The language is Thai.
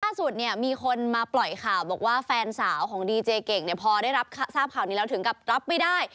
ล่าสุดเนี่ยมีคนมาปล่อยข่าวบอกว่าแฟนสาวของดีเจเก่งเนี่ยพอได้รับทราบข่าวนี้แล้วถึงกับรับไม่ได้